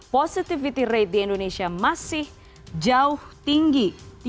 positivity rate di indonesia masih jauh tinggi